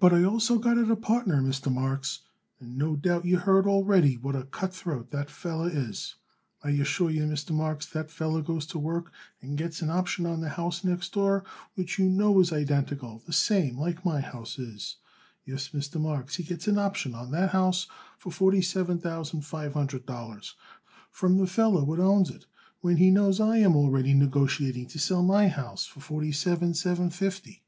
"But I also got it a partner, Mr. Marks, and no doubt you heard already what a cutthroat that feller is. I assure you, Mr. Marks, that feller goes to work and gets an option on the house next door which you know is identical the same like my house is. Yes, Mr. Marks, he gets an option on that house for forty seven thousand five hundred dollars from the feller what owns it, when he knows I am already negotiating to sell my house for forty seven seven fifty."